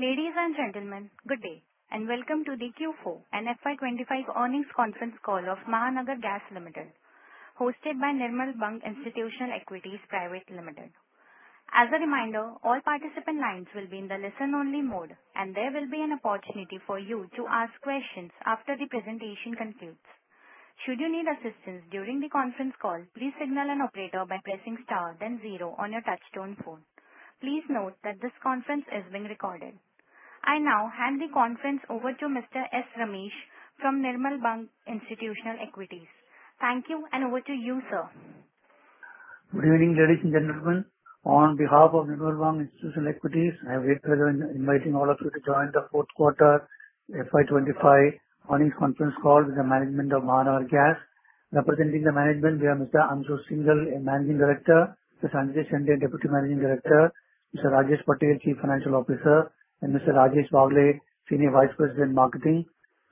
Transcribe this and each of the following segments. Ladies and gentlemen, good day, and welcome to the Q4 and FY25 earnings conference call of Mahanagar Gas Limited, hosted by Nirmal Bang Institutional Equities Private Limited. As a reminder, all participant lines will be in the listen-only mode, and there will be an opportunity for you to ask questions after the presentation concludes. Should you need assistance during the conference call, please signal an operator by pressing star then zero on your touch-tone phone. Please note that this conference is being recorded. I now hand the conference over to Mr. S. Ramesh from Nirmal Bang Institutional Equities. Thank you, and over to you, sir. Good evening, ladies and gentlemen. On behalf of Nirmal Bang Institutional Equities, I am here today inviting all of you to join the fourth quarter FY25 earnings conference call with the management of Mahanagar Gas. Representing the management, we have Mr. Ashu Shinghal, Managing Director, Mr. Sanjay Shende, Deputy Managing Director, Mr. Rajesh Patel, Chief Financial Officer, and Mr. Rajesh Wagle, Senior Vice President, Marketing.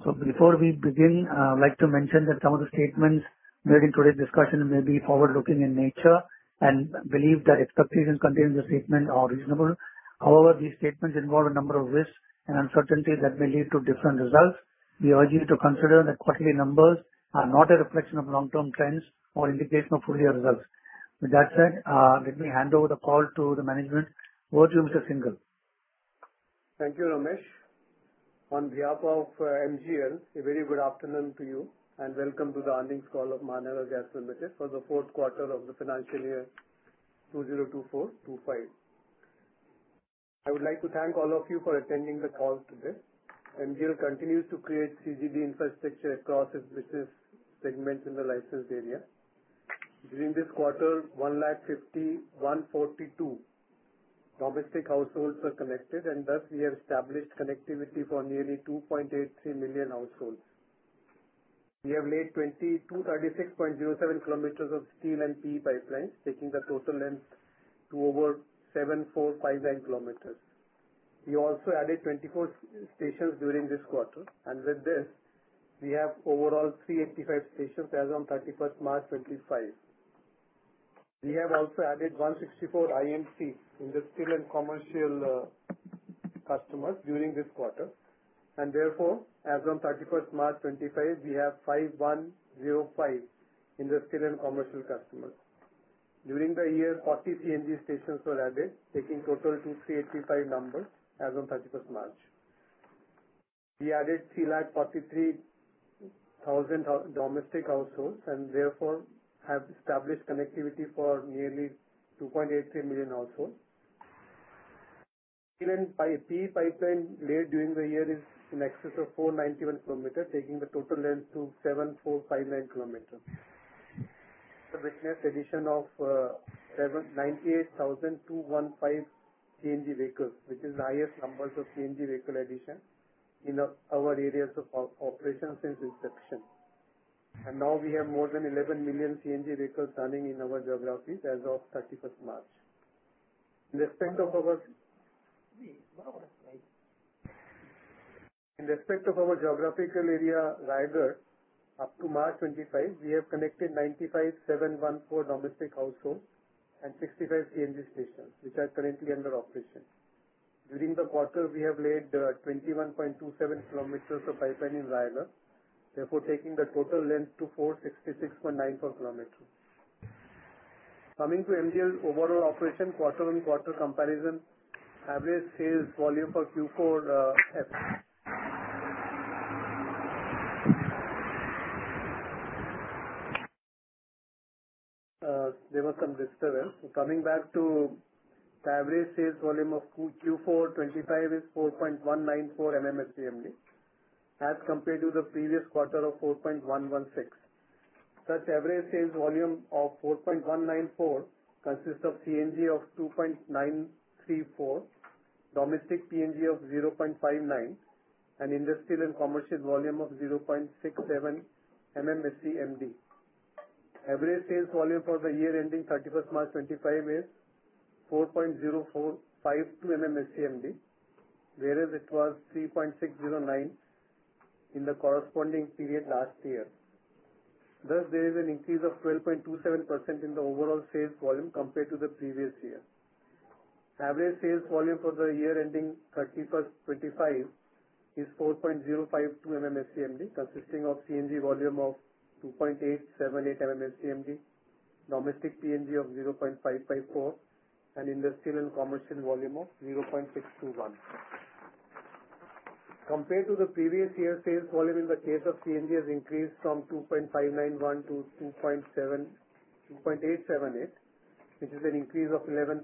So before we begin, I would like to mention that some of the statements made in today's discussion may be forward-looking in nature, and I believe that expectations contained in the statements are reasonable. However, these statements involve a number of risks and uncertainties that may lead to different results. We urge you to consider that quarterly numbers are not a reflection of long-term trends or indication of full-year results. With that said, let me hand over the call to the management. Over to you, Mr. Shinghal. Thank you, Ramesh. On behalf of MGL, a very good afternoon to you, and welcome to the earnings call of Mahanagar Gas Limited for the fourth quarter of the financial year 2024-25. I would like to thank all of you for attending the call today. MGL continues to create CGD infrastructure across its business segments in the licensed area. During this quarter, 142 domestic households were connected, and thus we have established connectivity for nearly 2.83 million households. We have laid 236.07 kilometers of steel and PE pipelines, taking the total length to over 7,459 kilometers. We also added 24 stations during this quarter, and with this, we have overall 385 stations as of 31st March 2025. We have also added 164 I&C, industrial and commercial customers, during this quarter, and therefore, as of 31st March 2025, we have 5,105 industrial and commercial customers. During the year, 40 CNG stations were added, taking total 2,385 numbers as of 31st March. We added 343,000 domestic households, and therefore have established connectivity for nearly 2.83 million households. Steel and PE pipeline laid during the year is in excess of 491 kilometers, taking the total length to 7,459 kilometers. The business addition of 98,215 CNG vehicles, which is the highest numbers of CNG vehicle addition in our areas of operation since inception. And now we have more than 11 million CNG vehicles running in our geographies as of 31st March. In respect of our geographical area, Raigad, up to March 25, we have connected 95,714 domestic households and 65 CNG stations, which are currently under operation. During the quarter, we have laid 21.27 kilometers of pipeline in Raigad, therefore taking the total length to 466.94 kilometers. Coming to MGL overall operation, quarter-on-quarter comparison, average sales volume for Q4. There was some disturbance. Coming back to the average sales volume of Q425 is 4.194 MMSCMD, as compared to the previous quarter of 4.116. Such average sales volume of 4.194 consists of CNG of 2.934, domestic PNG of 0.59, and industrial and commercial volume of 0.67 MMSCMD. Average sales volume for the year ending 31st March 2025 is 4.0452 MMSCMD, whereas it was 3.609 in the corresponding period last year. Thus, there is an increase of 12.27% in the overall sales volume compared to the previous year. Average sales volume for the year ending 31st 2025 is 4.052 MMSCMD, consisting of CNG volume of 2.878 MMSCMD, domestic PNG of 0.554, and industrial and commercial volume of 0.621. Compared to the previous year, sales volume in the case of CNG has increased from 2.591 to 2.878, which is an increase of 11.08%.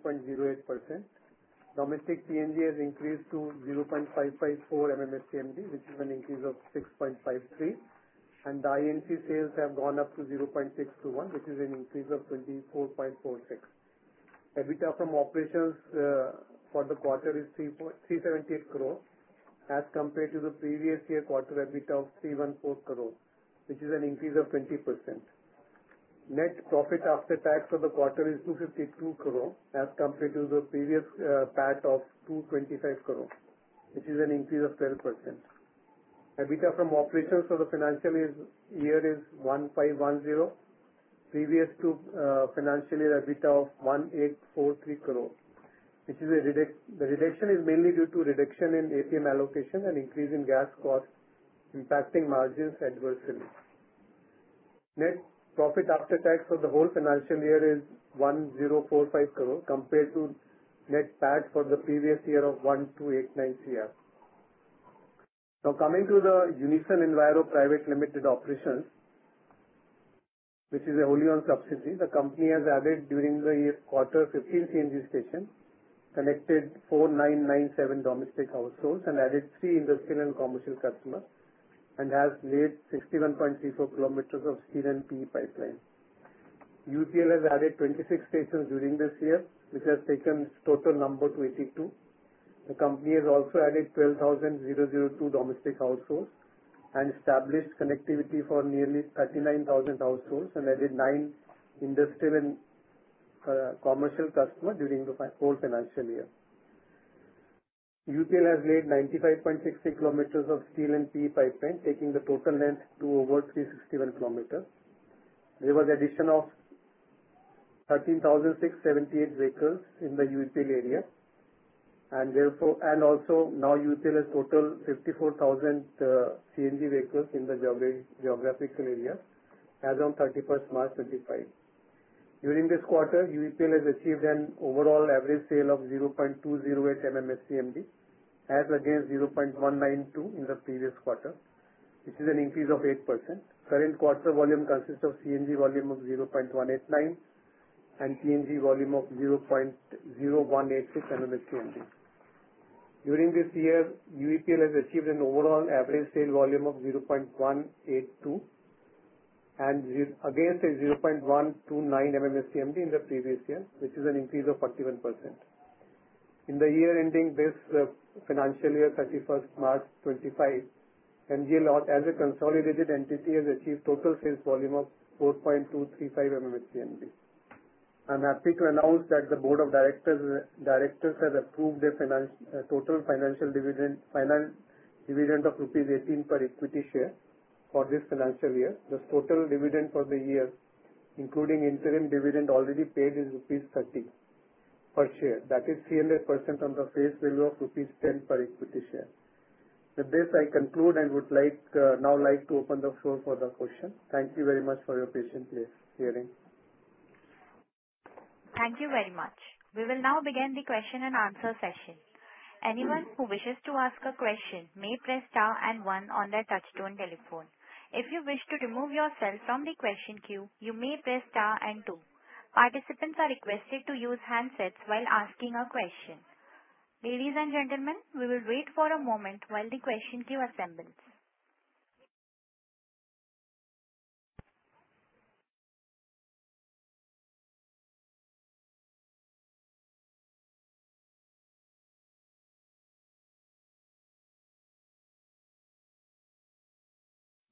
Domestic PNG has increased to 0.554 MMSCMD, which is an increase of 6.53%, and the INC sales have gone up to 0.621, which is an increase of 24.46%. EBITDA from operations for the quarter is 378 crore, as compared to the previous year quarter EBITDA of 314 crore, which is an increase of 20%. Net profit after tax for the quarter is 252 crore, as compared to the previous year of 225 crore, which is an increase of 12%. EBITDA from operations for the financial year is 1,510 crore, previous financial year EBITDA of 1,843 crore, which is a reduction. The reduction is mainly due to reduction in APM allocation and increase in gas cost, impacting margins adversely. Net profit after tax for the whole financial year is 1045 crore, compared to net profit for the previous year of 1289 crore. Now, coming to the Unison Enviro Private Limited operations, which is a wholly-owned subsidiary, the company has added during the quarter 15 CNG stations, connected 4997 domestic households, and added three industrial and commercial customers, and has laid 61.34 km of steel and PE pipeline. UEPL has added 26 stations during this year, which has taken total number to 82. The company has also added 12,002 domestic households and established connectivity for nearly 39,000 households, and added nine industrial and commercial customers during the whole financial year. UEPL has laid 95.63 km of steel and PE pipeline, taking the total length to over 361 km. There was addition of 13,678 vehicles in the MGL area, and also now MGL has total 54,000 CNG vehicles in the geographical area as of 31st March 2025. During this quarter, MGL has achieved an overall average sale of 0.208 MMSCMD, as against 0.192 in the previous quarter, which is an increase of 8%. Current quarter volume consists of CNG volume of 0.189 and PNG volume of 0.0186 MMSCMD. During this year, MGL has achieved an overall average sale volume of 0.182, against a 0.129 MMSCMD in the previous year, which is an increase of 41%. In the year ending this financial year, 31st March 2025, MGL, as a consolidated entity, has achieved total sales volume of 4.235 MMSCMD. I'm happy to announce that the Board of Directors has approved the total financial dividend of ₹18 per equity share for this financial year. The total dividend for the year, including interim dividend already paid, is rupees 30 per share. That is 300% of the face value of rupees 10 per equity share. With this, I conclude and would now like to open the floor for the questions. Thank you very much for your patience in this hearing. Thank you very much. We will now begin the question and answer session. Anyone who wishes to ask a question may press star and one on their touch-tone telephone. If you wish to remove yourself from the question queue, you may press star and two. Participants are requested to use handsets while asking a question. Ladies and gentlemen, we will wait for a moment while the question queue assembles.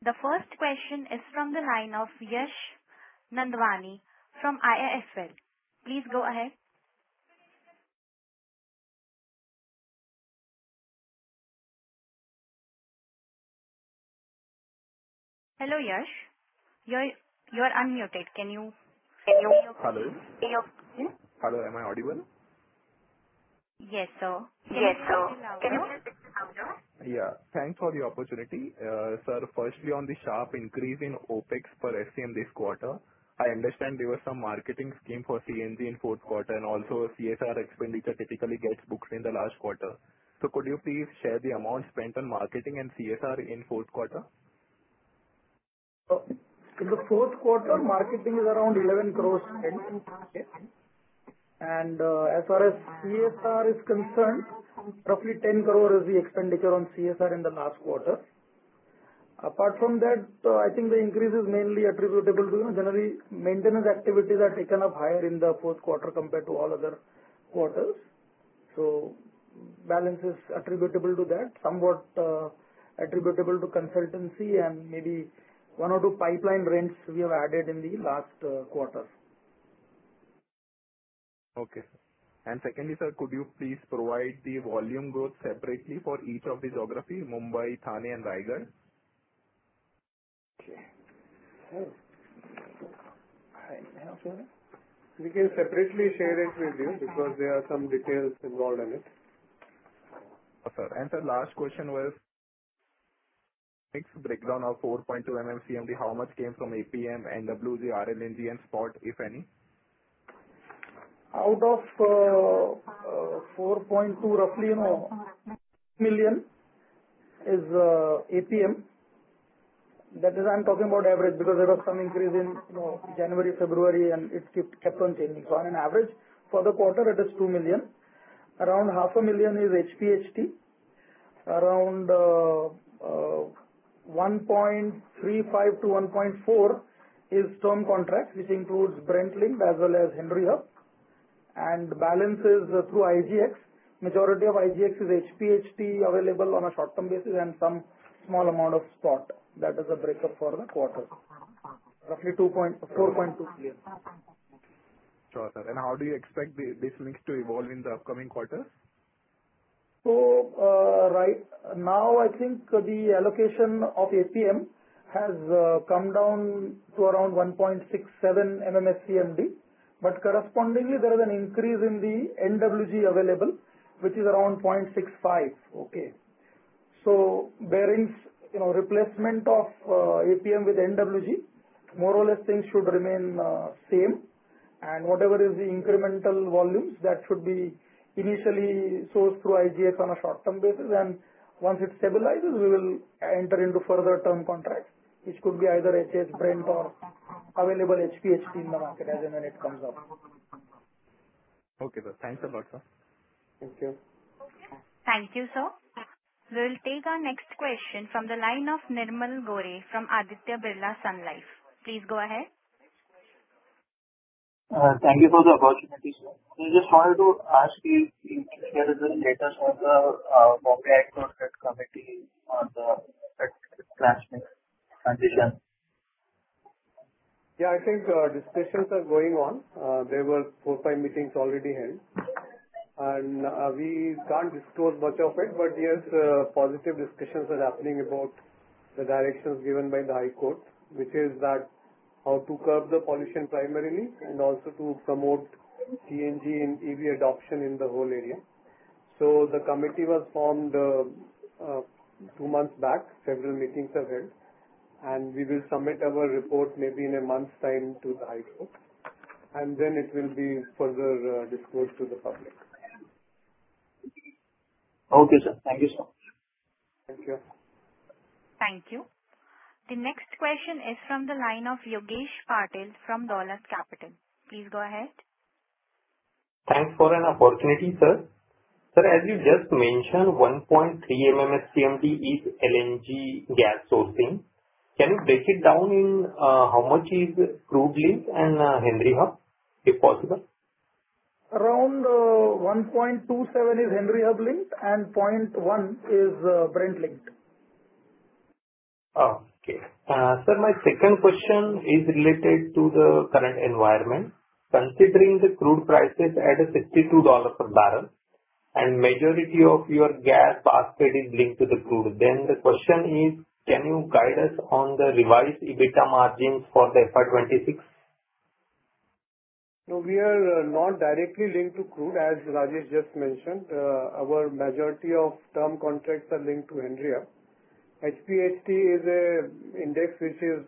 The first question is from the line of Yash Nandwani from IIFL. Please go ahead. Hello, Yash. You're unmuted. Can you hear me okay? Hello. Hello. Am I audible? Yes, sir. Yes, sir. Can you hear me? Yeah. Thanks for the opportunity. Sir, firstly, on the sharp increase in OPEX per SCM this quarter, I understand there was some marketing scheme for CNG in fourth quarter, and also CSR expenditure typically gets booked in the last quarter. So could you please share the amount spent on marketing and CSR in fourth quarter? In the fourth quarter, marketing is around 11 crores spent. And as far as CSR is concerned, roughly 10 crore is the expenditure on CSR in the last quarter. Apart from that, I think the increase is mainly attributable to generally maintenance activities are taken up higher in the fourth quarter compared to all other quarters. So balance is attributable to that, somewhat attributable to consultancy, and maybe one or two pipeline rents we have added in the last quarter. Okay. And secondly, sir, could you please provide the volume growth separately for each of the geographies, Mumbai, Thane, and Raigad? Okay. All right. We can separately share it with you because there are some details involved in it. Sir. And sir, the last question was, fixed breakdown of 4.2 MMSCMD, how much came from APM, NWG, RLNG, and SPOT, if any? Out of 4.2, roughly 2 million is APM. That is, I'm talking about average because there was some increase in January, February, and it kept on changing. So on an average, for the quarter, it is 2 million. Around 500,000 is HPHT. Around 1.35-1.4 is term contracts, which includes Brent linked as well as Henry Hub. And balance is through IGX. Majority of IGX is HPHT available on a short-term basis and some small amount of spot. That is the breakup for the quarter. Roughly 4.2 million. Sure, sir. And how do you expect this mix to evolve in the upcoming quarters? So right now, I think the allocation of APM has come down to around 1.67 MMSCMD. But correspondingly, there is an increase in the NWG available, which is around 0.65. Okay. So replacement of APM with NWG, more or less, things should remain same. And whatever is the incremental volumes, that should be initially sourced through IGX on a short-term basis. And once it stabilizes, we will enter into further term contracts, which could be either HS, Brent, or available HPHT in the market as and when it comes up. Okay, sir. Thanks a lot, sir. Thank you. Thank you, sir. We will take our next question from the line of Nirmal Gore from Aditya Birla Sun Life. Please go ahead. Thank you for the opportunity, sir. I just wanted to ask if you can share the latest on the Bombay H That committee on the transition. Yeah, I think discussions are going on. There were four, five meetings already held, and we can't disclose much of it, but yes, positive discussions are happening about the directions given by the High Court, which is that how to curb the pollution primarily and also to promote CNG and EV adoption in the whole area, so the committee was formed two months back. Several meetings have held, and we will submit our report maybe in a month's time to the High Court, and then it will be further disclosed to the public. Okay, sir. Thank you, sir. Thank you. Thank you. The next question is from the line of Yogesh Patil from Dolat Capital. Please go ahead. Thanks for an opportunity, sir. Sir, as you just mentioned, 1.3 MMSCMD is LNG gas sourcing. Can you break it down in how much is GreenLine and Henry Hub, if possible? Around 1.27 is Henry Hub Link, and 0.1 is Brent Link. Okay. Sir, my second question is related to the current environment. Considering the crude prices at $62 per barrel and majority of your gas basket is linked to the crude, then the question is, can you guide us on the revised EBITDA margins for the FY26? No, we are not directly linked to crude, as Rajesh just mentioned. Our majority of term contracts are linked to Henry Hub. HPHT is an index which is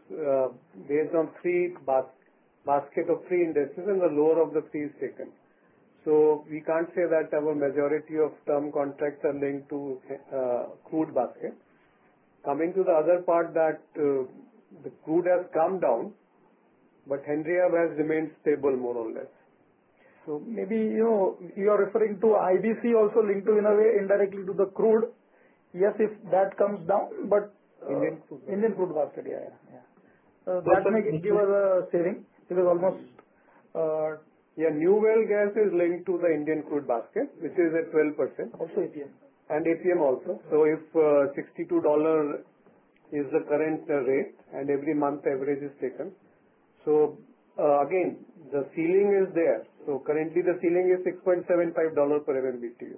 based on three baskets of three indices, and the lower of the three is taken. So we can't say that our majority of term contracts are linked to crude basket. Coming to the other part, that the crude has come down, but Henry Hub has remained stable, more or less. So maybe you are referring to IBC also linked to, in a way, indirectly to the crude. Yes, if that comes down, but. Indian crude. Indian crude basket, yeah, yeah. That may give us a saving because almost. Yeah, New Well Gas is linked to the Indian crude basket, which is at 12%. Also APM. APM also. So if $62 is the current rate and every month average is taken. So again, the ceiling is there. So currently, the ceiling is $6.75 per MMBtu.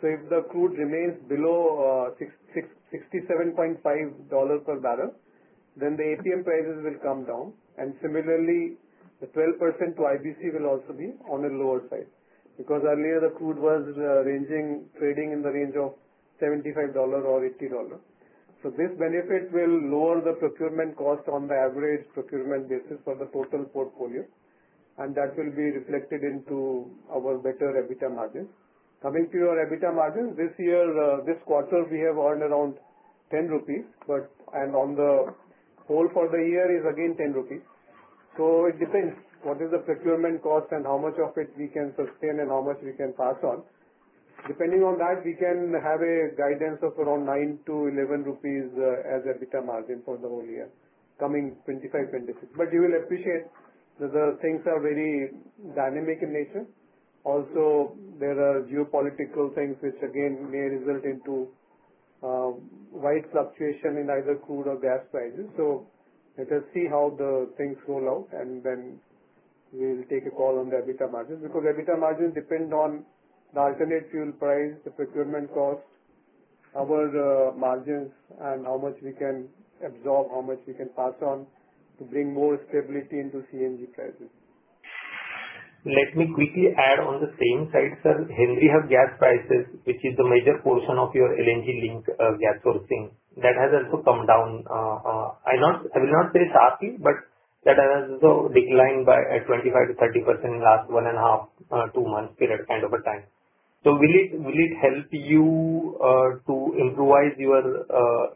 So if the crude remains below $67.5 per barrel, then the APM prices will come down. And similarly, the 12% to IBC will also be on the lower side because earlier, the crude was trading in the range of $75 or $80. So this benefit will lower the procurement cost on the average procurement basis for the total portfolio. And that will be reflected into our better EBITDA margins. Coming to your EBITDA margins, this quarter, we have earned around ₹10, and on the whole for the year is again ₹10. So it depends what is the procurement cost and how much of it we can sustain and how much we can pass on. Depending on that, we can have a guidance of around ₹9-₹11 as EBITDA margin for the whole year coming 2025-26. But you will appreciate that the things are very dynamic in nature. Also, there are geopolitical things which, again, may result into wide fluctuation in either crude or gas prices. So let us see how the things roll out, and then we'll take a call on the EBITDA margins because EBITDA margins depend on the alternate fuel price, the procurement cost, our margins, and how much we can absorb, how much we can pass on to bring more stability into CNG prices. Let me quickly add on the same side, sir. Henry Hub gas prices, which is the major portion of your LNG-linked gas sourcing, that has also come down. I will not say sharply, but that has also declined by 25%-30% in the last one and a half, two months period kind of a time. So will it help you to improve your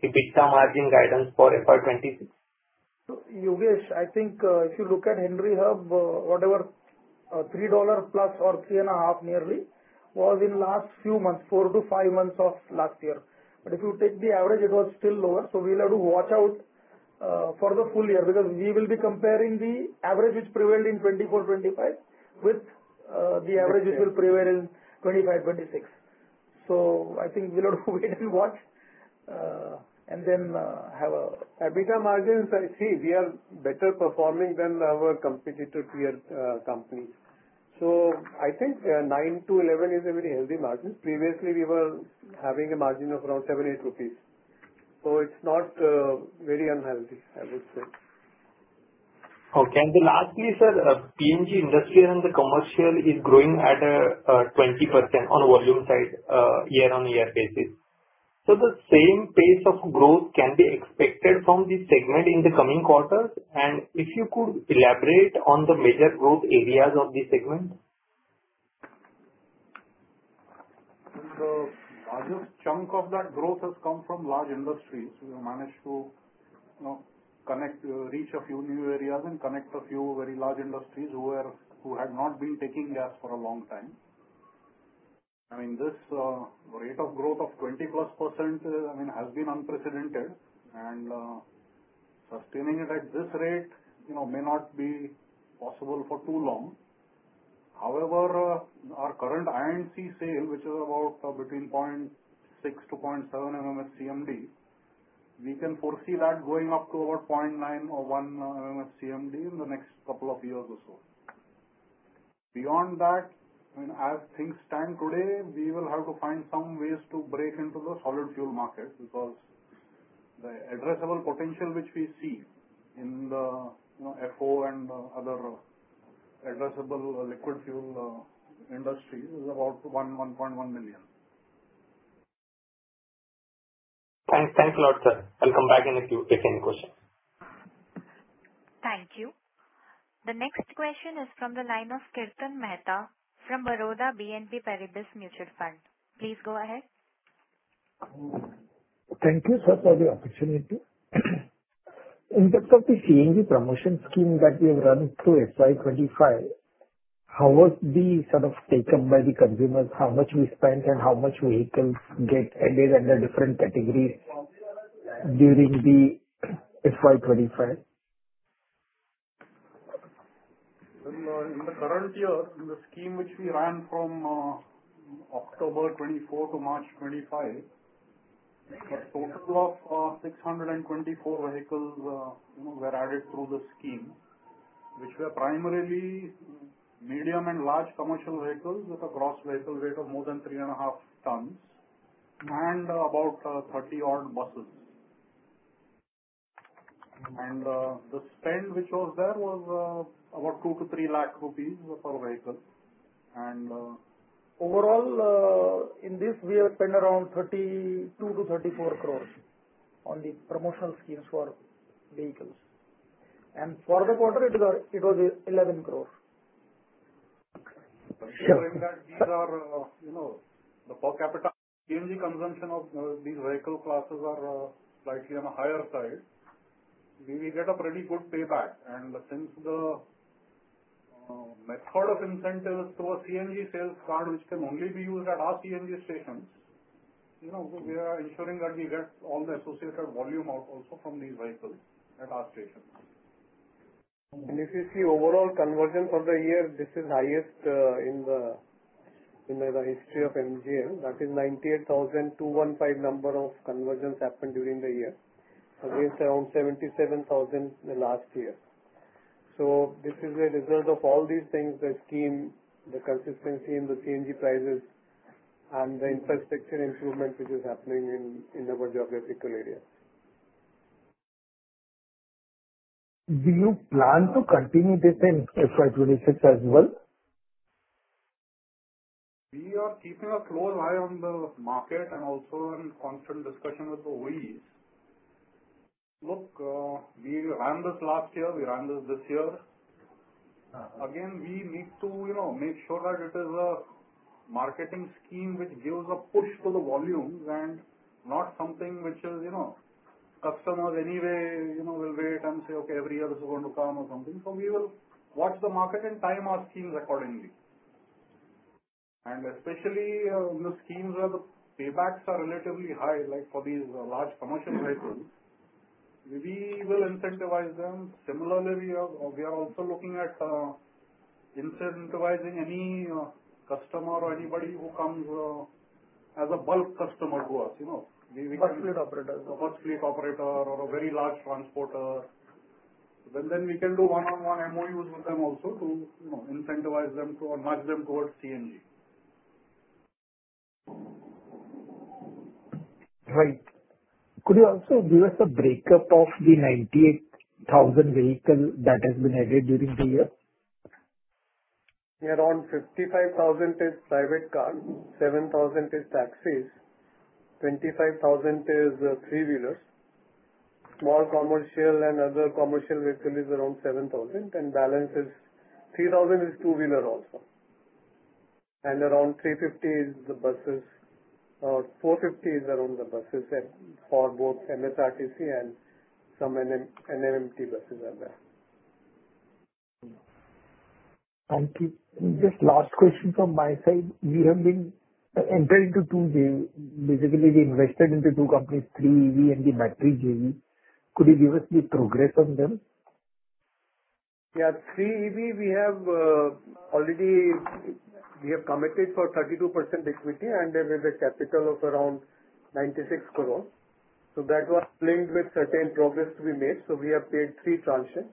EBITDA margin guidance for FY26? Yogesh, I think if you look at Henry Hub, whatever $3 plus or $3.5 nearly was in the last few months, four to five months of last year. But if you take the average, it was still lower. So we'll have to watch out for the full year because we will be comparing the average which prevailed in 2024-25 with the average which will prevail in 2025-26. So I think we'll have to wait and watch and then have a. EBITDA margins, I see we are better performing than our competitor tier companies. So I think 9-11 is a very healthy margin. Previously, we were having a margin of around 7 rupees, 8 rupees. So it's not very unhealthy, I would say. Okay. And then lastly, sir, industrial and commercial PNG is growing at 20% on volume side, year-on-year basis. So the same pace of growth can be expected from this segment in the coming quarters. And if you could elaborate on the major growth areas of this segment? The largest chunk of that growth has come from large industries. We have managed to reach a few new areas and connect a few very large industries who have not been taking gas for a long time. I mean, this rate of growth of 20-plus% has been unprecedented, and sustaining it at this rate may not be possible for too long. However, our current INC sale, which is about between 0.6 to 0.7 MMSCMD, we can foresee that going up to about 0.9 or 1 MMSCMD in the next couple of years or so. Beyond that, as things stand today, we will have to find some ways to break into the solid fuel market because the addressable potential which we see in the FO and other addressable liquid fuel industries is about 1.1 million. Thanks a lot, sir. I'll come back and take any questions. Thank you. The next question is from the line of Kirtan Mehta from Baroda BNP Paribas Mutual Fund. Please go ahead. Thank you, sir, for the opportunity. In terms of the CNG promotion scheme that we have run through FY25, how was the sort of taken by the consumers? How much we spent and how much vehicles get added under different categories during the FY25? In the current year, in the scheme which we ran from October 2024 to March 2025, a total of 624 vehicles were added through the scheme, which were primarily medium and large commercial vehicles with a gross vehicle weight of more than 3.5 tons and about 30-odd buses. And the spend which was there was about 2 to 3 lakh rupees per vehicle. And overall, in this, we have spent around 32 to 34 crores on the promotional schemes for vehicles. And for the quarter, it was 11 crores. Sure. In fact, these are the per capita CNG consumption of these vehicle classes are slightly on the higher side. We get a pretty good payback. And since the method of incentive is through a CNG sales card, which can only be used at our CNG stations, we are ensuring that we get all the associated volume out also from these vehicles at our stations. If you see overall conversion for the year, this is highest in the history of MGL. That is 98,215 number of conversions happened during the year, against around 77,000 last year. This is a result of all these things, the scheme, the consistency in the CNG prices, and the infrastructure improvement which is happening in our geographical area. Do you plan to continue this in FY26 as well? We are keeping a close eye on the market and also on constant discussion with the OEMs. Look, we ran this last year. We ran this this year. Again, we need to make sure that it is a marketing scheme which gives a push to the volumes and not something which customers anyway will wait and say, "Okay, every year this is going to come or something." So we will watch the market and time our schemes accordingly. And especially in the schemes where the paybacks are relatively high, like for these large commercial vehicles, we will incentivize them. Similarly, we are also looking at incentivizing any customer or anybody who comes as a bulk customer to us. First fleet operator. First fleet operator or a very large transporter. Then we can do one-on-one MOUs with them also to incentivize them to nudge them towards CNG. Right. Could you also give us a break-up of the 98,000 vehicles that have been added during the year? Near around 55,000 is private cars, 7,000 is taxis, 25,000 is three-wheelers. Small commercial and other commercial vehicles is around 7,000, and balance is 3,000 is two-wheeler also, and around 350 is the buses. 450 is around the buses for both MSRTC and some NMMT buses are there. Thank you. Just last question from my side. We have been entered into two, basically we invested into two companies, 3EV and IBC. Could you give us the progress on them? Yeah. 3EV, we have already committed for 32% equity and with a capital of around 96 crore. So that was linked with certain progress to be made. So we have paid three tranches,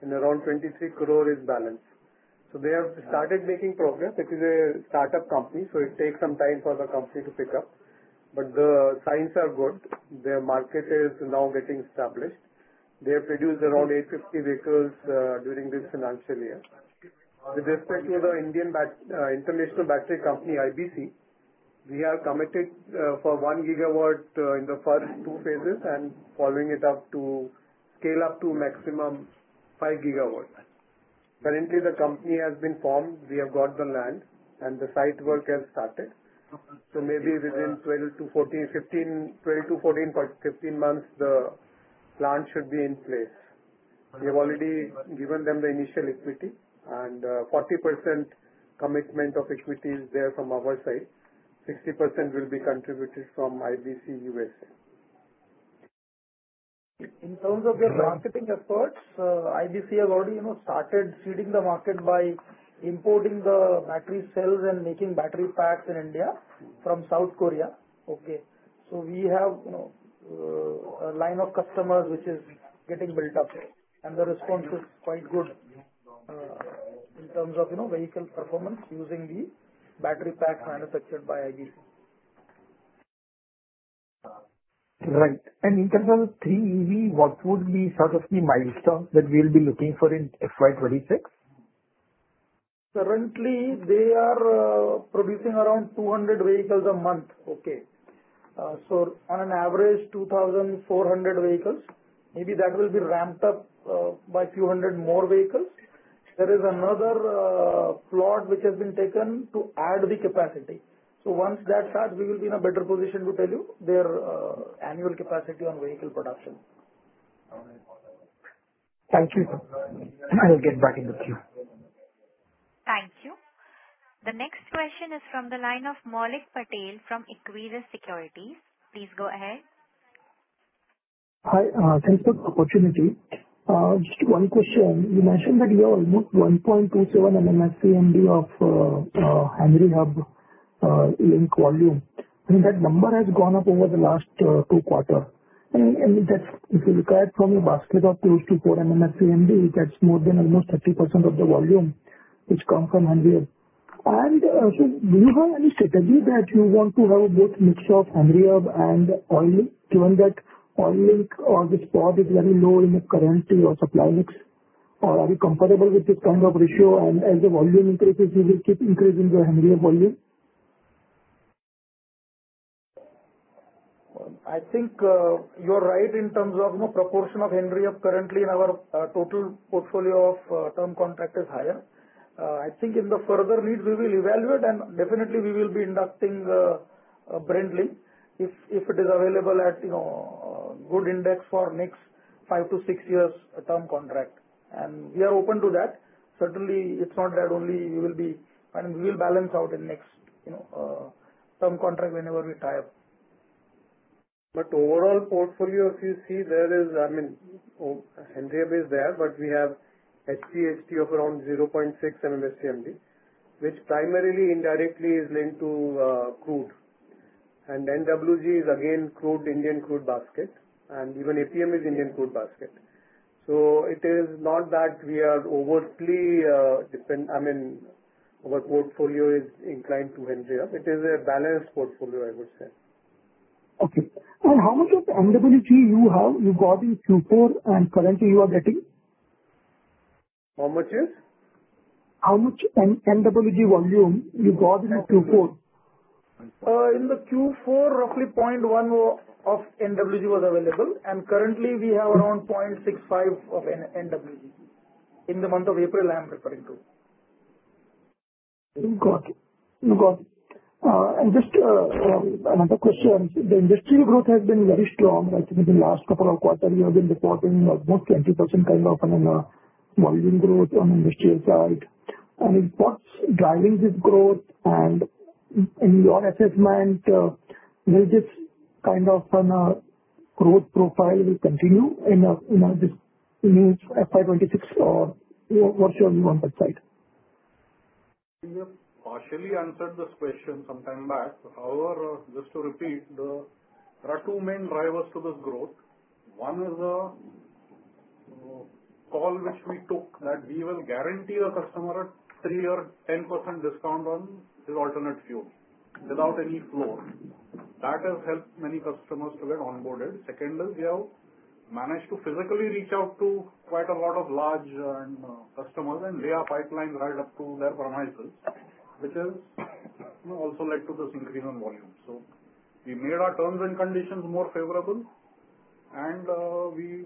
and around 23 crore is balance. So they have started making progress. It is a startup company, so it takes some time for the company to pick up. But the signs are good. The market is now getting established. They have produced around 850 vehicles during this financial year. With respect to the International Battery Company, IBC, we have committed for 1 gigawatt in the first two phases and following it up to scale up to maximum 5 gigawatts. Currently, the company has been formed. We have got the land, and the site work has started. So maybe within 12 to 14, 15 months, the plant should be in place. We have already given them the initial equity, and 40% commitment of equity is there from our side. 60% will be contributed from IBC USA. In terms of their marketing efforts, IBC has already started seeding the market by importing the battery cells and making battery packs in India from South Korea. Okay. So we have a line of customers which is getting built up, and the response is quite good in terms of vehicle performance using the battery packs manufactured by IBC. Right, and in terms of 3EV, what would be sort of the milestone that we'll be looking for in FY26? Currently, they are producing around 200 vehicles a month. Okay. So on an average, 2,400 vehicles. Maybe that will be ramped up by a few hundred more vehicles. There is another plot which has been taken to add the capacity. So once that starts, we will be in a better position to tell you their annual capacity on vehicle production. Thank you, sir. I will get back in touch with you. Thank you. The next question is from the line of Maulik Patel from Equirus Securities. Please go ahead. Hi. Thanks for the opportunity. Just one question. You mentioned that you have almost 1.27 MMSCMD of Henry Hub-linked volume. I mean, that number has gone up over the last two quarters, and if you look at from your basket of close to 4 MMSCMD, that's more than almost 30% of the volume which comes from Henry Hub. And so do you have any strategy that you want to have a good mix of Henry Hub and oil-linked, given that oil-linked or the spot is very low in the current supply mix? Or are you comfortable with this kind of ratio? And as the volume increases, you will keep increasing your Henry Hub volume? I think you're right in terms of proportion of Henry Hub currently in our total portfolio of term contracts is higher. I think in the future needs, we will evaluate, and definitely we will be inducting Brent-linked if it is available at good pricing for next five to six years term contract. And we are open to that. Certainly, it's not that only we will be and we will balance out in next term contract whenever we expire. But overall portfolio, if you see, there is, I mean, Henry Hub is there, but we have HPHT of around 0.6 MMSCMD, which primarily indirectly is linked to crude. And NWG is again crude, Indian crude basket. And even APM is Indian crude basket. So it is not that we are overtly, I mean, our portfolio is inclined to Henry Hub. It is a balanced portfolio, I would say. Okay. And how much of NWG you have? You got in Q4, and currently you are getting? How much is? How much NWG volume you got in Q4? In the Q4, roughly 0.1 of NWG was available, and currently, we have around 0.65 of NWG in the month of April, I'm referring to. Got it. Got it. And just another question. The industrial growth has been very strong. I think in the last couple of quarters, you have been reporting almost 20% kind of volume growth on the industrial side. And what's driving this growth? And in your assessment, will this kind of growth profile continue in this new FY26, or what shall we do on that side? You partially answered this question some time back. However, just to repeat, there are two main drivers to this growth. One is a call which we took that we will guarantee a customer a 3% or 10% discount on his alternate fuel without any floor. That has helped many customers to get onboarded. Second is we have managed to physically reach out to quite a lot of large customers and lay our pipeline right up to their premises, which has also led to this increase in volume. So we made our terms and conditions more favorable, and we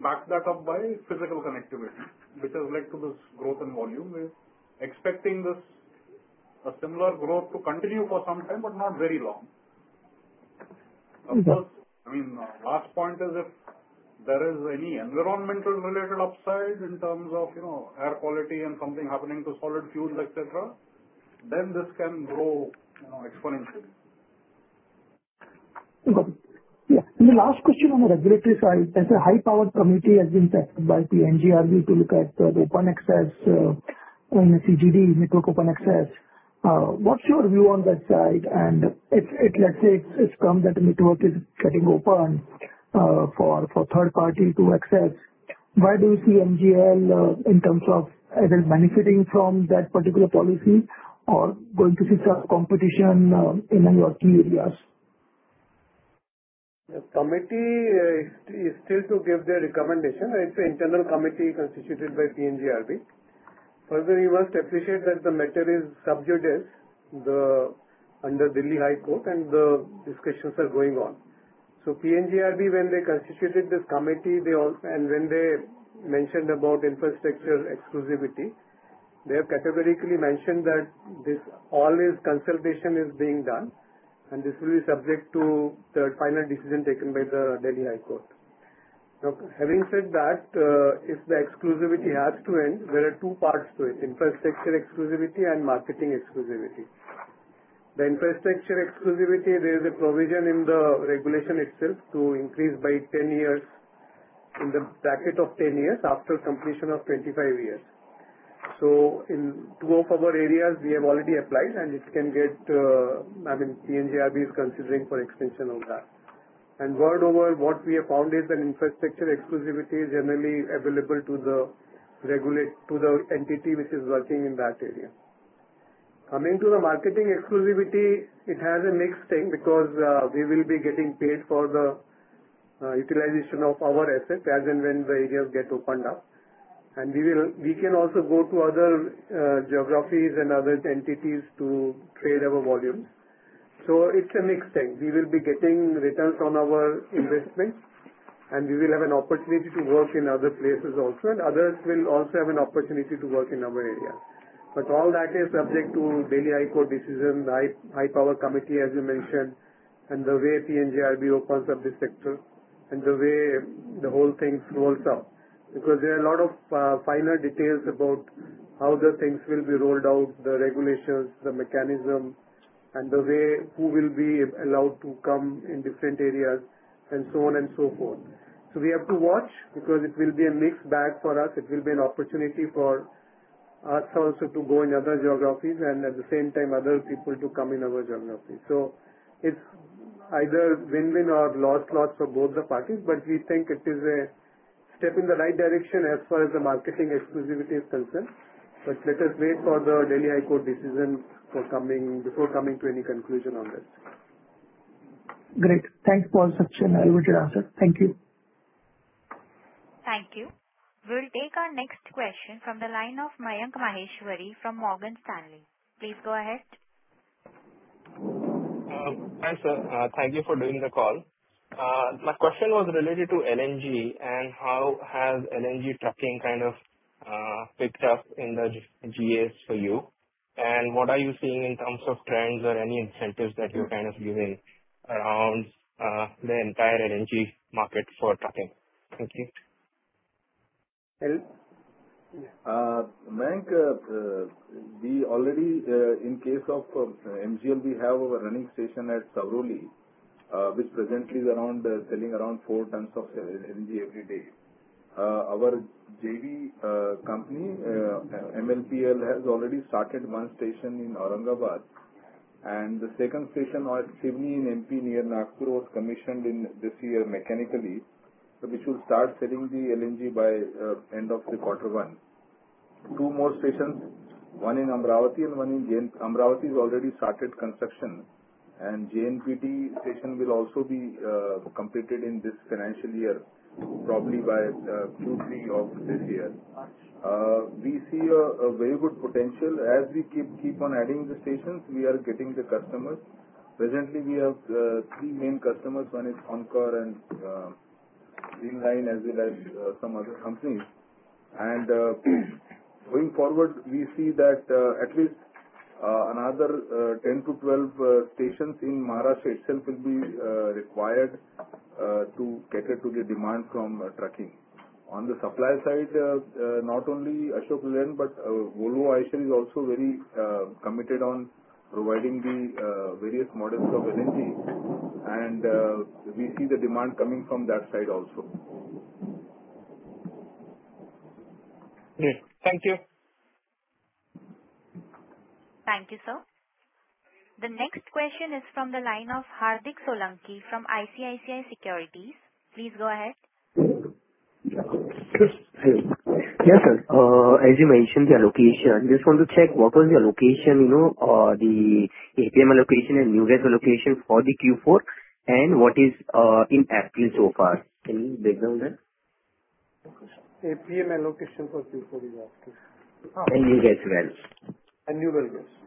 backed that up by physical connectivity, which has led to this growth in volume. We're expecting a similar growth to continue for some time, but not very long. Of course, I mean, last point is if there is any environmental-related upside in terms of air quality and something happening to solid fuels, etc., then this can grow exponentially. Got it. Yeah, and the last question on the regulatory side, there's a high-powered committee has been set up by PNGRB to look at open access in the CGD network open access. What's your view on that side, and let's say it's come that the network is getting open for third party to access. Where do you see MGL in terms of either benefiting from that particular policy or going to see some competition in your key areas? The committee is still to give their recommendation. It's an internal committee constituted by PNGRB. Further, you must appreciate that the matter is sub judice under Delhi High Court, and the discussions are going on. So PNGRB, when they constituted this committee, and when they mentioned about infrastructure exclusivity, they have categorically mentioned that this all is consultation is being done, and this will be subject to the final decision taken by the Delhi High Court. Now, having said that, if the exclusivity has to end, there are two parts to it: infrastructure exclusivity and marketing exclusivity. The infrastructure exclusivity, there is a provision in the regulation itself to increase by 10 years in the bracket of 10 years after completion of 25 years. So in two of our areas, we have already applied, and it can get, I mean, PNGRB is considering for extension of that. Moreover, what we have found is that infrastructure exclusivity is generally available to the entity which is working in that area. Coming to the marketing exclusivity, it has a mixed thing because we will be getting paid for the utilization of our assets as and when the areas get opened up. We can also go to other geographies and other entities to trade our volumes. So it's a mixed thing. We will be getting returns on our investment, and we will have an opportunity to work in other places also, and others will also have an opportunity to work in our area. But all that is subject to the Delhi High Court decision, the high-powered committee, as you mentioned, and the way PNGRB opens up the sector and the way the whole thing rolls up. Because there are a lot of final details about how the things will be rolled out, the regulations, the mechanism, and who will be allowed to come in different areas, and so on and so forth. So we have to watch because it will be a mixed bag for us. It will be an opportunity for us also to go in other geographies and at the same time other people to come in other geographies. So it's either win-win or lost-lost for both the parties, but we think it is a step in the right direction as far as the marketing exclusivity is concerned. But let us wait for the Delhi High Court decision before coming to any conclusion on this. Great. Thanks for such an elevated answer. Thank you. Thank you. We'll take our next question from the line of Mayank Maheshwari from Morgan Stanley. Please go ahead. Hi, sir. Thank you for doing the call. My question was related to LNG and how has LNG trucking kind of picked up in the GAs for you? And what are you seeing in terms of trends or any incentives that you're kind of giving around the entire LNG market for trucking? Thank you. Mayank, we already, in case of MGL, we have a running station at Savroli, which presently is selling around four tons of LNG every day. Our JV company, UEPL, has already started one station in Aurangabad, and the second station at Chhindwara in MP near Nagpur was commissioned this year mechanically, which will start selling the LNG by the end of the quarter one. Two more stations, one in Amravati has already started construction, and JNPT station will also be completed in this financial year, probably by Q3 of this year. We see a very good potential. As we keep on adding the stations, we are getting the customers. Presently, we have three main customers: one is Concor and GreenLine, as well as some other companies. Going forward, we see that at least another 10-12 stations in Maharashtra itself will be required to cater to the demand from trucking. On the supply side, not only Ashok Leyland, but Volvo Eicher is also very committed on providing the various models of LNG, and we see the demand coming from that side also. Great. Thank you. Thank you, sir. The next question is from the line of Hardik Solanki from ICICI Securities. Please go ahead. Yes, sir. As you mentioned the allocation, I just want to check what was the allocation, the APM allocation and new gas allocation for the Q4, and what is in April so far. Can you break down that? APM allocation for Q4 is after. New gas as well. New gas, yes.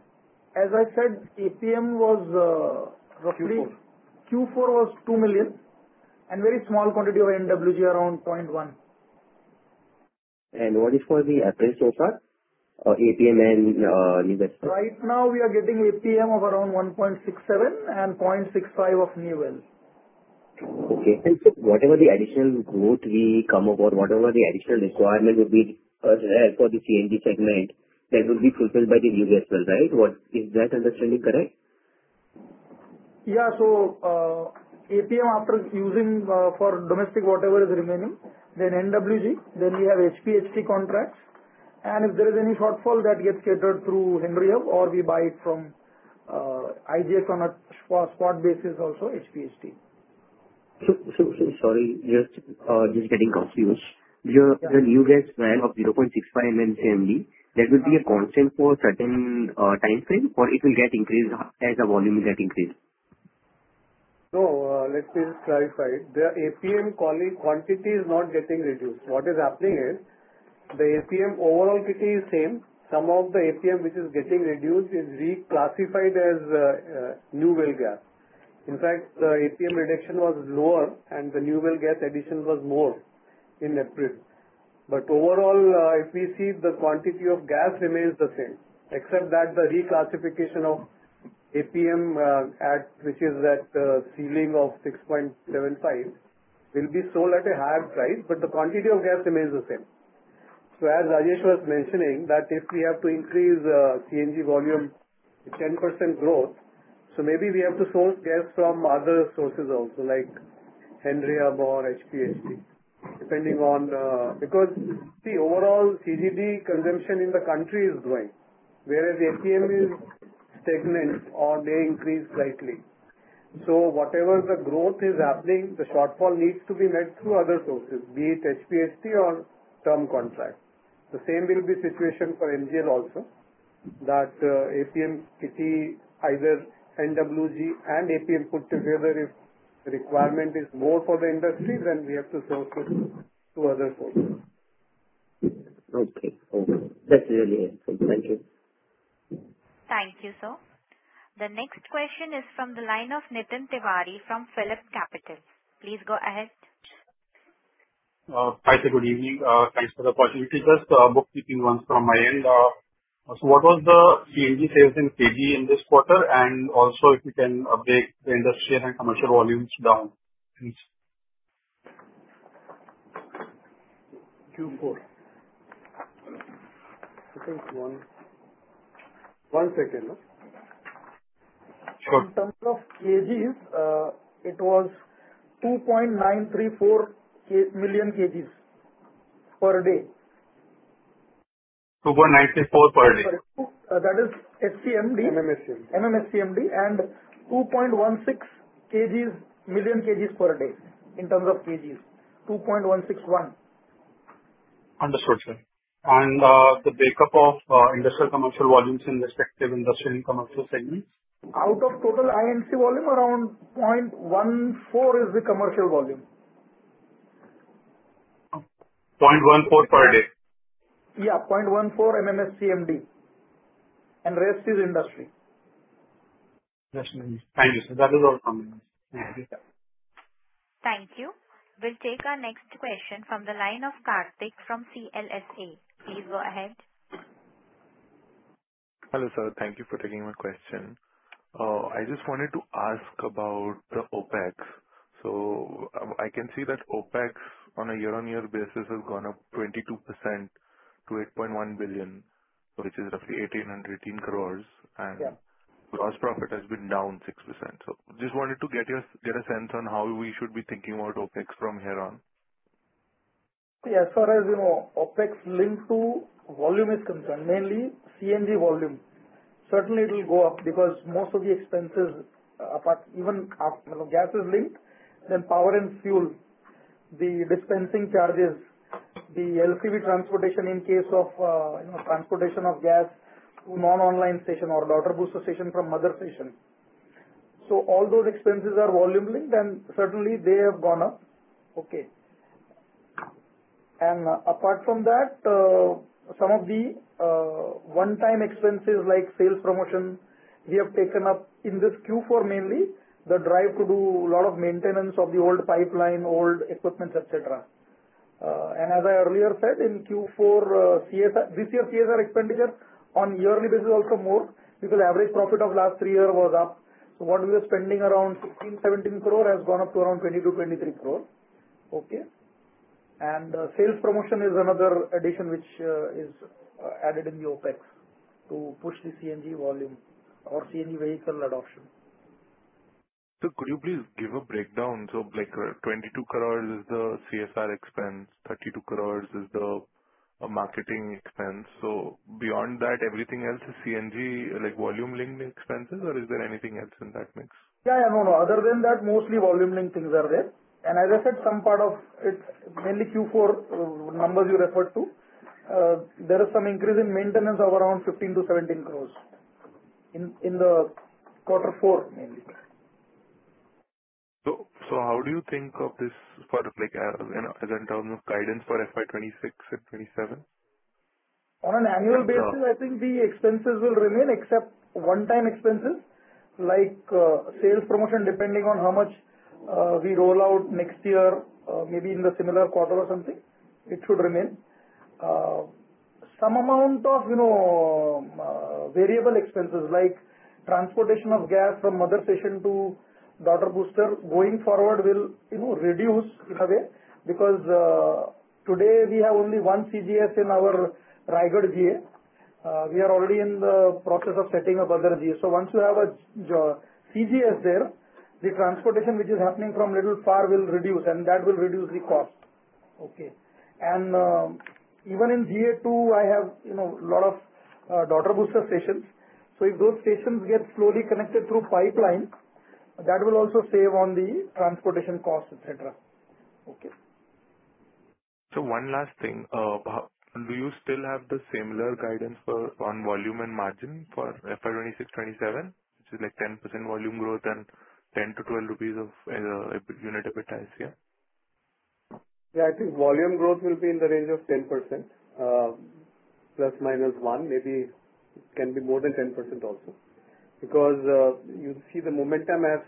As I said, APM was roughly Q4 was 2 million and very small quantity of NWG around 0.1. What is for the average so far? APM and new gas? Right now, we are getting APM of around 1.67 and 0.65 of new gas. Okay. So whatever the additional growth we come upon, whatever the additional requirement would be for the CNG segment, that would be fulfilled by the new gas well, right? Is that understanding correct? Yeah. So APM after using for domestic whatever is remaining, then NWG, then we have HPHT contracts. And if there is any shortfall, that gets catered through Henry Hub, or we buy it from IGX on a spot basis also, HPHT. Sorry, just getting confused. The new gas well of 0.65 MMSCMD, that would be a constant for a certain time frame, or it will get increased as the volume will get increased? No, let me clarify. The APM quantity is not getting reduced. What is happening is the APM overall quantity is same. Some of the APM which is getting reduced is reclassified as new well gas. In fact, the APM reduction was lower, and the new well gas addition was more in April. But overall, if we see the quantity of gas remains the same, except that the reclassification of APM, which is at the ceiling of 6.75, will be sold at a higher price, but the quantity of gas remains the same. So as Rajesh was mentioning, that if we have to increase CNG volume 10% growth, so maybe we have to source gas from other sources also, like Henry Hub or HPHT, depending on because the overall CGD consumption in the country is growing, whereas APM is stagnant or may increase slightly. Whatever the growth is happening, the shortfall needs to be met through other sources, be it HPHT or term contract. The same will be the situation for MGL also, that APM quantity, either NWG and APM put together, if the requirement is more for the industry, then we have to source it through other sources. Okay. Okay. That's really helpful. Thank you. Thank you, sir. The next question is from the line of Nitin Tiwari from PhillipCapital. Please go ahead. Hi, sir. Good evening. Thanks for the opportunity. Just a bookkeeping one from my end. So what was the CNG sales in KG in this quarter? And also, if you can break the industrial and commercial volumes down. Q4. I think one second. Sure. In terms of kgs, it was 2.934 million kgs per day. 2.934 per day. That is SCMD. MMSCMD. MMSCMD and 2.16 million kgs per day in terms of kgs. 2.161. Understood, sir. And the breakup of industrial-commercial volumes in respective industrial and commercial segments? Out of total INC volume, around 0.14 is the commercial volume. 0.14 per day. Yeah. 0.14 MMSCMD. And rest is industry. Thank you, sir. That is all from me. Thank you. We'll take our next question from the line of Karthik from CLSA. Please go ahead. Hello, sir. Thank you for taking my question. I just wanted to ask about the OPEX. OPEX, so I can see that OPEX on a year-on-year basis has gone up 22% to 8.1 billion, which is roughly 1,818 crores, and gross profit has been down 6%. So just wanted to get a sense on how we should be thinking about OPEX from here on. Yeah. As far as OPEX linked to volume is concerned, mainly CNG volume, certainly it will go up because most of the expenses, even gas is linked, then power and fuel, the dispensing charges, the LCV transportation in case of transportation of gas to non-online station or daughter booster station from mother station. So all those expenses are volume linked, and certainly they have gone up. Okay. And apart from that, some of the one-time expenses like sales promotion, we have taken up in this Q4 mainly the drive to do a lot of maintenance of the old pipeline, old equipment, etc. And as I earlier said, in Q4, this year, CSR expenditure on yearly basis also more because average profit of last three years was up. So what we were spending around 16-17 crore has gone up to around 22-23 crore. Okay. Sales promotion is another addition which is added in the OPEX to push the CNG volume or CNG vehicle adoption. Could you please give a breakdown? 22 crores is the CSR expense. 32 crores is the marketing expense. Beyond that, everything else is CNG volume linked expenses, or is there anything else in that mix? No. Other than that, mostly volume linked things are there. As I said, some part of it's mainly Q4 numbers you referred to. There is some increase in maintenance of around 15-17 crores in the quarter four mainly. So how do you think of this as in terms of guidance for FY 26 and 27? On an annual basis, I think the expenses will remain except one-time expenses like sales promotion, depending on how much we roll out next year, maybe in the similar quarter or something. It should remain. Some amount of variable expenses like transportation of gas from mother station to daughter booster going forward will reduce in a way because today we have only one CGS in our Raigad GA. We are already in the process of setting up other GAs. So once you have a CGS there, the transportation which is happening from little far will reduce, and that will reduce the cost. Okay. And even in GA2, I have a lot of daughter booster stations. So if those stations get slowly connected through pipeline, that will also save on the transportation cost, etc. One last thing. Do you still have the similar guidance on volume and margin for FY 26, 27, which is like 10% volume growth and 10-12 rupees of unit EBITDA here? Yeah. I think volume growth will be in the range of 10% plus minus 1. Maybe it can be more than 10% also because you see the momentum has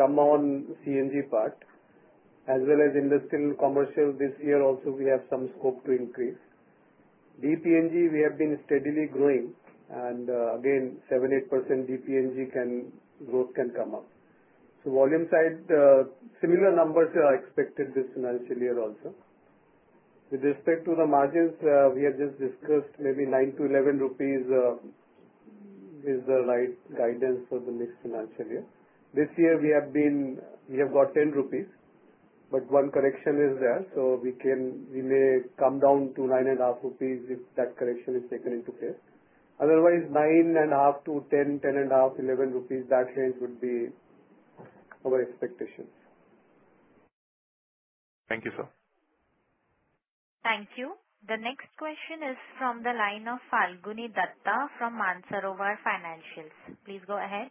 come on CNG part as well as industrial-commercial this year. Also, we have some scope to increase. DPNG, we have been steadily growing. And again, 7-8% DPNG growth can come up. So volume side, similar numbers are expected this financial year also. With respect to the margins, we have just discussed maybe 9-11 rupees is the right guidance for the next financial year. This year, we have got 10 rupees, but one correction is there. So we may come down to 9.5 rupees if that correction is taken into place. Otherwise, 9.5 to 10, 10.5, 11 rupees, that range would be our expectations. Thank you, sir. Thank you. The next question is from the line of Phalguni Datta from Mansarovar Financials. Please go ahead.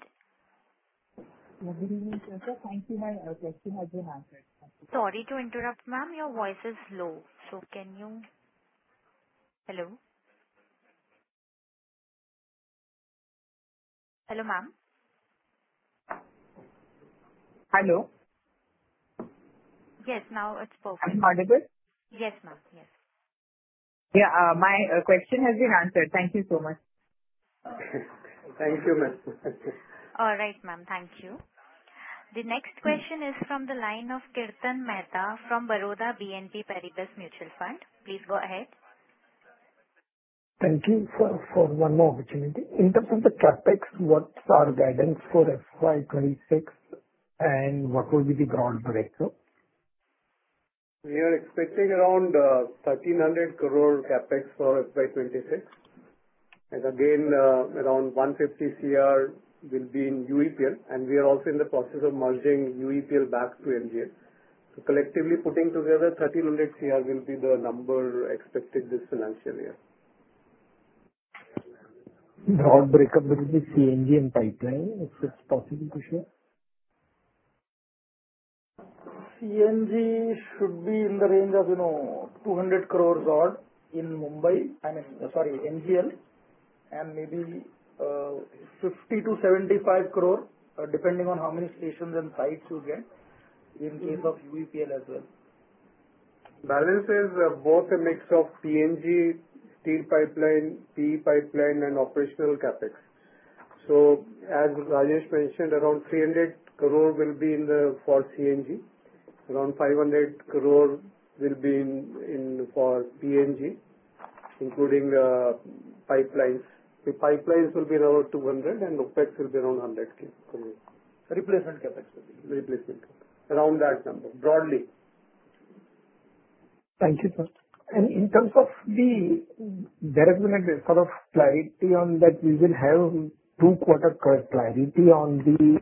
Good evening, sir. Thank you. My question has been answered. Sorry to interrupt, ma'am. Your voice is low, so can you hello? Hello, ma'am? Hello? Yes. Now it's perfect. I heard you good? Yes, ma'am. Yes. Yeah. My question has been answered. Thank you so much. Thank you, ma'am. All right, ma'am. Thank you. The next question is from the line of Kirtan Mehta from Baroda BNP Paribas Mutual Fund. Please go ahead. Thank you for one more opportunity. In terms of the CapEx, what are guidance for FY 2026, and what will be the broad breakthrough? We are expecting around 1,300 crore CapEx for FY 26. And again, around 150 crore will be in UEPL. And we are also in the process of merging UEPL back to MGL. So collectively putting together, 1,300 crore will be the number expected this financial year. Broad breakup will be CNG and pipeline. Is it possible to share? CNG should be in the range of 200 crore odd in Mumbai, I mean, sorry, MGL, and maybe 50 crore to 75 crore, depending on how many stations and sites you get in case of UEPL as well. Balance is both a mix of LNG, steel pipeline, PE pipeline, and operational CapEx. So as Rajesh mentioned, around 300 crore will be for CNG. Around 500 crore will be for PNG, including pipelines. The pipelines will be around 200 crore, and OpEx will be around 100 crore. Replacement CapEx will be around that number broadly. Thank you, sir. And in terms of, there has been a sort of clarity on that we will have two-quarter cut clarity on the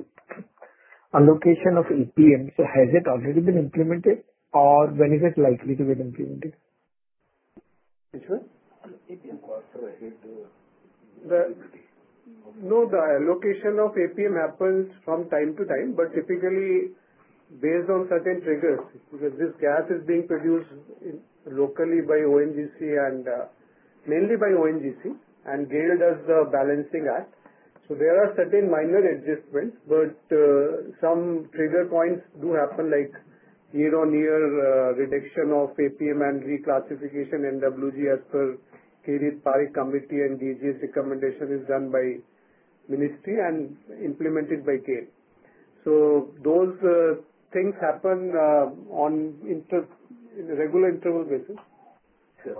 allocation of APM. So has it already been implemented, or when is it likely to be implemented? Issue? No, the allocation of APM happens from time to time, but typically based on certain triggers because this gas is being produced locally by ONGC, mainly by ONGC, and GAIL does the balancing act. So there are certain minor adjustments, but some trigger points do happen, like year-on-year reduction of APM and reclassification NWG as per Kirit Parikh committee and DGH recommendation is done by ministry and implemented by GAIL. So those things happen on regular interval basis.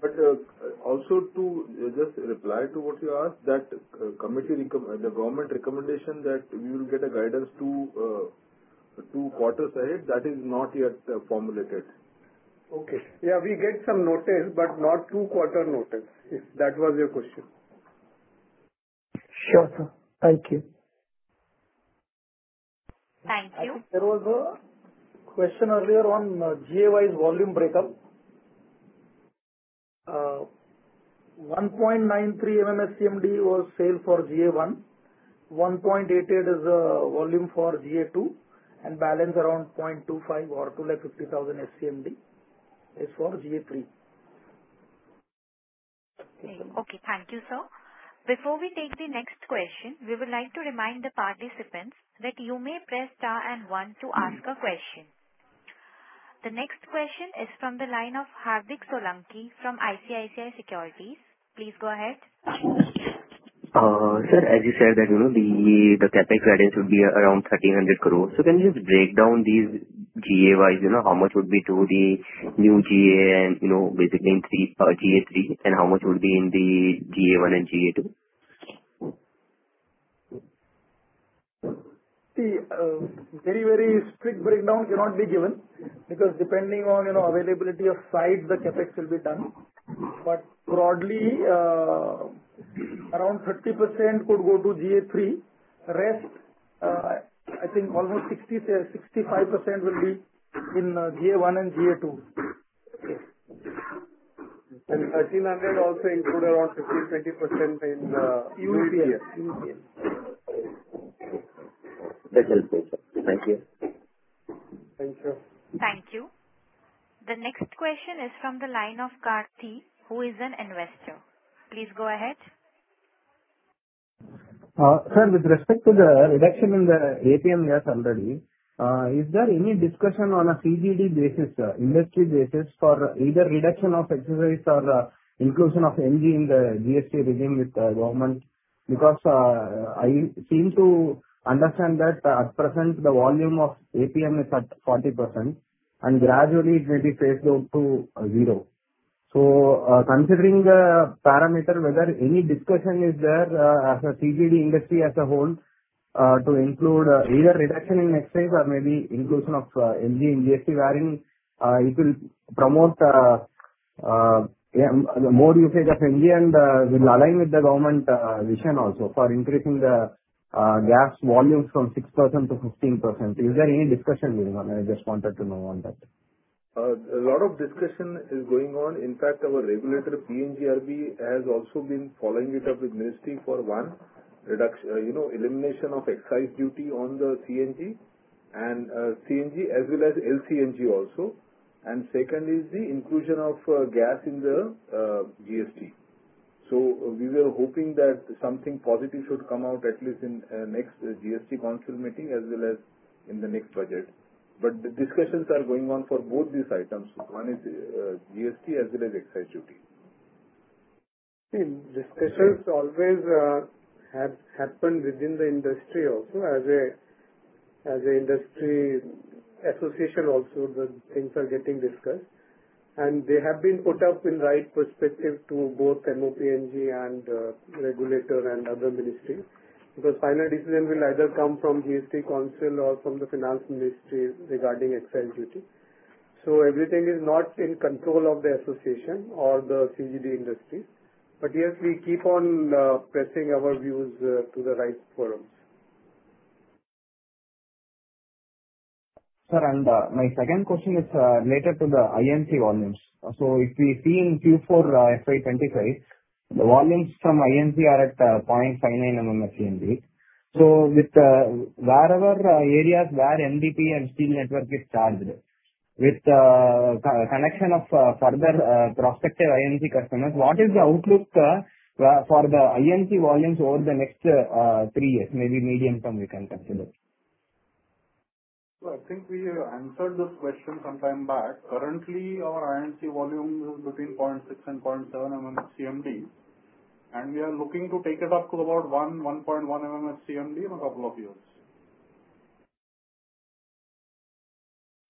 But also to just reply to what you asked, that committee the government recommendation that we will get a guidance two quarters ahead, that is not yet formulated. Okay. Yeah. We get some notice, but not two-quarter notice. If that was your question. Sure, sir. Thank you. Thank you. There was a question earlier on GA-wise volume breakup. 1.93 MMSCMD was sales for GA1. 1.88 is volume for GA2, and balance around 0.25 or 250,000 SCMD is for GA3. Okay. Thank you, sir. Before we take the next question, we would like to remind the participants that you may press star and one to ask a question. The next question is from the line of Hardik Solanki from ICICI Securities. Please go ahead. Sir, as you said, the CapEx guidance would be around 1,300 crore. So can you just break down these GA-wise how much would be to the new GA and basically in GA3, and how much would be in the GA1 and GA2? See, very, very strict breakdown cannot be given because depending on availability of site, the CapEx will be done. But broadly, around 30% could go to GA3. Rest, I think almost 60%-65% will be in GA1 and GA2. 1,300 also include around 15%-20% in UEPL. That helps, sir. Thank you. Thank you, sir. Thank you. The next question is from the line of Karthik, who is an investor. Please go ahead. Sir, with respect to the reduction in the APM yes already, is there any discussion on a CGD basis, industry basis for either reduction of excise or inclusion of MGL in the GST regime with government? Because I seem to understand that at present the volume of APM is at 40%, and gradually it may be phased down to zero. So considering the parameter, whether any discussion is there as a CGD industry as a whole to include either reduction in excise or maybe inclusion of MGL in GST, wherein it will promote more usage of MGL and will align with the government vision also for increasing the gas volumes from 6% to 15%. Is there any discussion going on? I just wanted to know on that. A lot of discussion is going on. In fact, our regulator PNGRB has also been following it up with ministry for one elimination of excise duty on the CNG and PNG as well as LCNG also, and second is the inclusion of gas in the GST, so we were hoping that something positive should come out at least in next GST council meeting as well as in the next budget, but the discussions are going on for both these items, one is GST as well as excise duty. Discussions always happen within the industry also. As an industry association, also the things are getting discussed. And they have been put up in right perspective to both MoPNG and regulator and other ministry because final decision will either come from GST council or from the finance ministry regarding excise duty. So everything is not in control of the association or the CGD industry. But yes, we keep on pressing our views to the right forums. Sir, and my second question is related to the INC volumes. So if we see in Q4 FY 2025, the volumes from INC are at 0.59 MMSCMD. So with wherever areas where MDP and steel network is charged, with connection of further prospective INC customers, what is the outlook for the INC volumes over the next three years, maybe medium term we can consider? I think we answered this question some time back. Currently, our INC volume is between 0.6 and 0.7 MMSCMD, and we are looking to take it up to about 1.1 MMSCMD in a couple of years.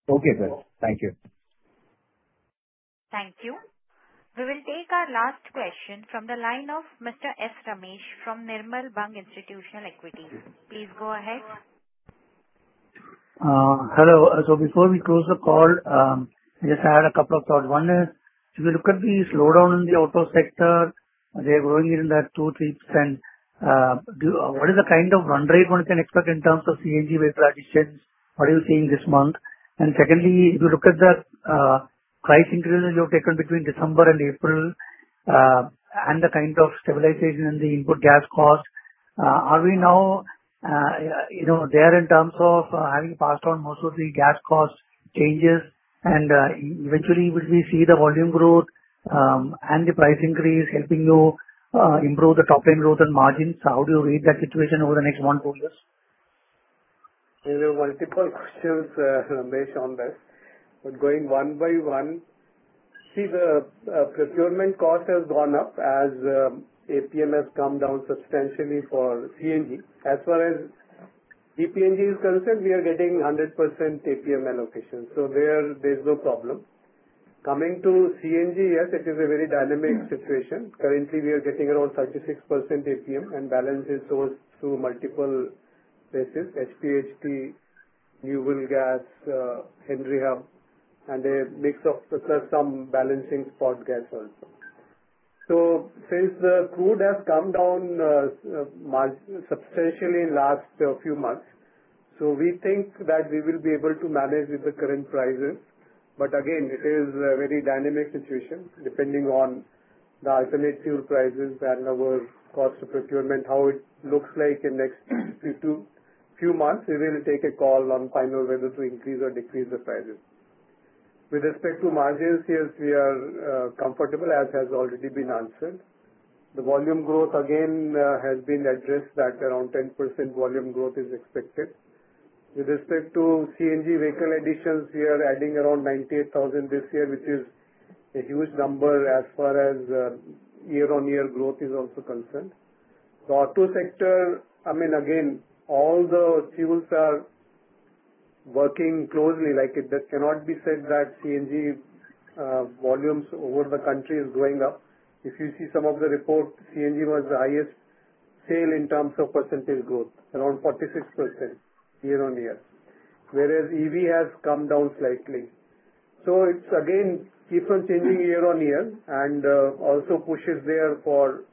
Okay, sir. Thank you. Thank you. We will take our last question from the line of Mr. S. Ramesh from Nirmal Bang Institutional Equities. Please go ahead. Hello. So before we close the call, I just had a couple of thoughts. One is, if you look at the slowdown in the auto sector, they are growing in that 2-3%. What is the kind of run rate one can expect in terms of CNG wave transitions? What are you seeing this month? And secondly, if you look at the price increases you have taken between December and April and the kind of stabilization in the input gas cost, are we now there in terms of having passed on most of the gas cost changes? And eventually, would we see the volume growth and the price increase helping you improve the top-line growth and margins? How do you read that situation over the next one to two years? There are multiple questions based on this. But going one by one, see, the procurement cost has gone up as APM has come down substantially for CNG. As far as DPNG is concerned, we are getting 100% APM allocation. So there, there's no problem. Coming to CNG, yes, it is a very dynamic situation. Currently, we are getting around 36% APM, and balance is towards to multiple places: HPHT, New Well Gas, Henry Hub, and a mix of some balancing spot gas also. So since the crude has come down substantially in the last few months, we think that we will be able to manage with the current prices. But again, it is a very dynamic situation depending on the alternative prices and our cost of procurement, how it looks like in the next few months. We will take a call on final whether to increase or decrease the prices. With respect to margins, yes, we are comfortable, as has already been answered. The volume growth, again, has been addressed that around 10% volume growth is expected. With respect to CNG vehicle additions, we are adding around 98,000 this year, which is a huge number as far as year-on-year growth is also concerned. The auto sector, I mean, again, all the fuels are working closely. There cannot be said that CNG volumes over the country are going up. If you see some of the reports, CNG was the highest sale in terms of percentage growth, around 46% year-on-year, whereas EV has come down slightly. So it's, again, keeps on changing year-on-year and also pushes there for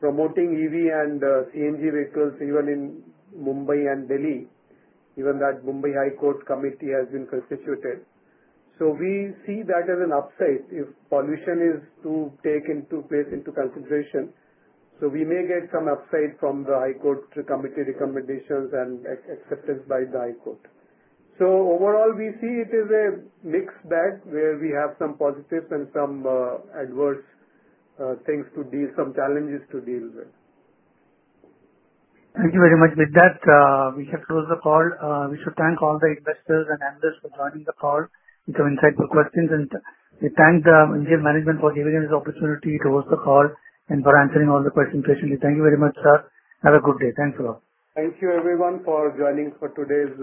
promoting EV and CNG vehicles even in Mumbai and Delhi, given that Mumbai High Court Committee has been constituted. We see that as an upside if pollution is taken into consideration. We may get some upside from the High Court Committee recommendations and acceptance by the High Court. Overall, we see it as a mixed bag where we have some positives and some adverse things to deal with, some challenges to deal with. Thank you very much. With that, we shall close the call. We should thank all the investors and analysts for joining the call with some insightful questions, and we thank the MGL management for giving us the opportunity to host the call and for answering all the questions patiently. Thank you very much, sir. Have a good day. Thanks a lot. Thank you, everyone, for joining for today's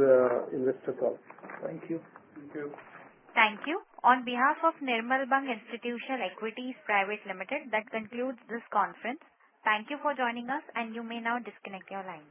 investor call. Thank you. Thank you. Thank you. On behalf of Nirmal Bang Institutional Equities Private Limited, that concludes this conference. Thank you for joining us, and you may now disconnect your line.